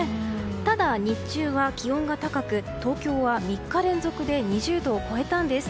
ただ、日中は気温が高く東京は３日連続で２０度を超えたんです。